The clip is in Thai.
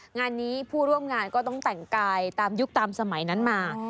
งานนี้ผู้ร่วมงานก็ต้องแต่งกายตามยุคตามสมัยนั้นมา